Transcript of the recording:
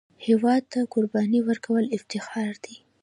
هېواد ته قرباني ورکول افتخار دی